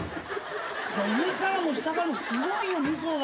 上からも下からもすごいよ味噌が。